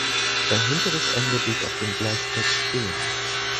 Sein hinteres Ende blieb auf dem Gleisbett stehen.